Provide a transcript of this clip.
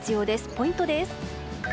ポイントです。